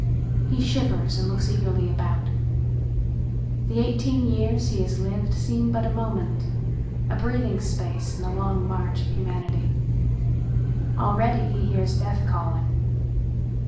He shivers and looks eagerly about. The eighteen years he has lived seem but a moment, a breathing space in the long march of humanity. Already he hears death calling.